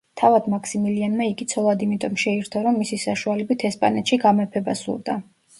თავად მაქსიმილიანმა იგი ცოლად იმიტომ შეირთო, რომ მისი საშუალებით ესპანეთში გამეფება სურდა.